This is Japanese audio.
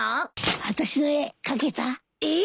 私の絵描けた？えっ？